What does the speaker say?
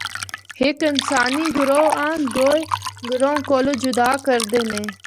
ہک انسانی گروہ آں دوہے گروہ کولوں جدا کردے نے۔